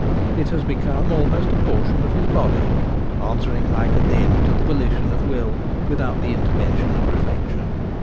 It has become almost a portion of his body, answering like a limb to the volition of will without the intervention of reflec tion.